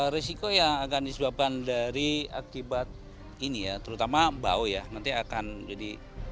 risiko yang akan disebabkan dari akibat ini ya terutama bau ya nanti akan jadi